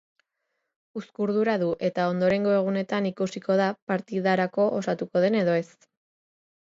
Uzkurdura du eta ondorengo egunetan ikusiko da partidarako osatuko den edo ez.